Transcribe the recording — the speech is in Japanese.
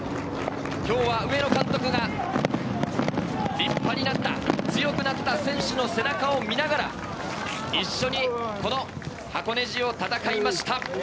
今日は上野監督が立派になった、強くなった選手の背中を見ながら一緒にこの箱根路を戦いました。